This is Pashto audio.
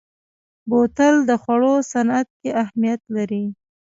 بوتل د خوړو صنعت کې اهمیت لري.